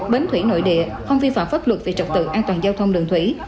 bến thủy nội địa không vi phạm pháp luật về trật tự an toàn giao thông đường thủy